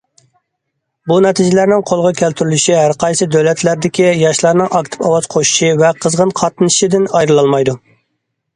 بۇ نەتىجىلەرنىڭ قولغا كەلتۈرۈلۈشى ھەرقايسى دۆلەتلەردىكى ياشلارنىڭ ئاكتىپ ئاۋاز قوشۇشى ۋە قىزغىن قاتنىشىشىدىن ئايرىلالمايدۇ.